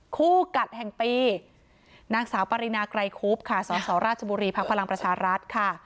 คู่กัดแห่งปีนางสาวปรินาไกรคุบค่ะสสราชบุรีภักดิ์พลังประชารัฐค่ะ